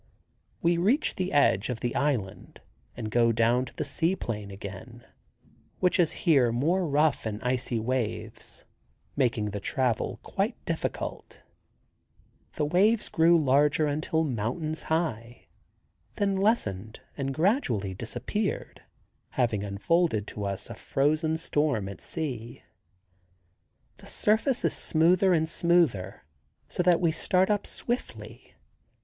We reach the edge of the island and go down to the sea plain again, which is here more rough in icy waves, making the travel quite difficult. The waves grew larger until mountains high, then lessen and gradually disappear, having unfolded to us a frozen storm at sea. The surface is smoother and smoother; so that we start up swiftly.